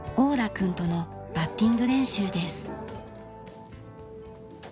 君とのバッティング練習です。